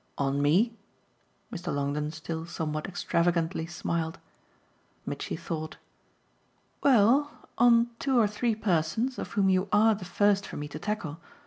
"On me?" Mr. Longdon still somewhat extravagantly smiled. Mitchy thought. "Well, on two or three persons, of whom you ARE the first for me to tackle.